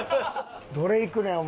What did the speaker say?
どれいくねん？